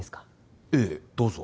ええどうぞ。